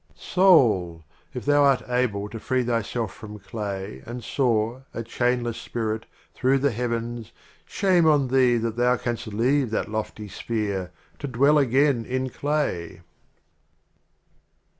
XLIV. Soul ! if thou art able to free thy self from Clay And soar, a chainless Spirit, through the Heavens, Shame on thee that thou canst leave that Lofty Sphere To dwell again in Clay!